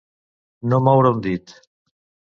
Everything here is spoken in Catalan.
No moure un dit.